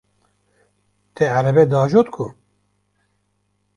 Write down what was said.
Te erebe diajot ku?